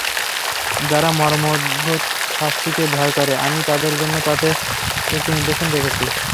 যারা মর্মন্তুদ শাস্তিকে ভয় করে, আমি তাদের জন্যে তাতে একটি নিদর্শন রেখেছি।